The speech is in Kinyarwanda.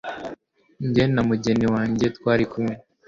jye na mugenzi wanjye twarikumwe